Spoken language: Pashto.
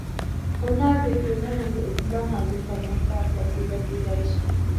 هنر د ټولنې د اصلاح او پرمختګ وسیله کېدای شي